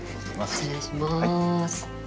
失礼します。